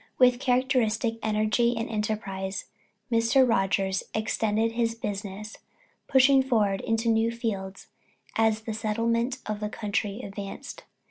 With characteristic energy and enterprise, Mr. Rogers extended his business, pushing forward into new fields as the settlement of the country advanced.